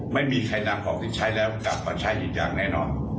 ไม่มีใครนำของที่ใช้แล้วกลับมาใช้อีกอย่างแน่นอน